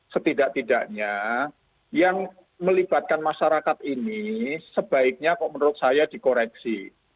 setidak tidaknya yang melibatkan masyarakat ini sebaiknya kok menurut saya dikoreksi